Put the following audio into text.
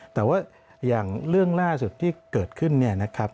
แต่ว่าอย่างเรื่องล่าสุดที่เกิดขึ้นเนี่ยนะครับ